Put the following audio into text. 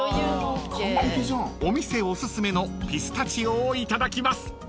［お店おすすめのピスタチオをいただきます］